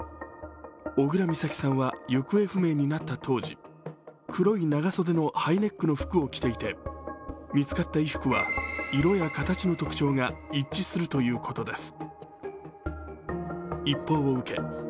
小倉美咲さんは行方不明になった当時、黒い長袖のハイネックの服を着ていて、見つかった衣服は色や形の特徴が一致するということです。